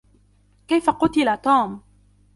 كيف قُتِل توم ؟